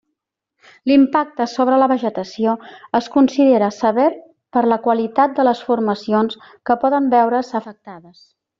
L'impacte sobre la vegetació es considera sever per la qualitat de les formacions que poden veure's afectades.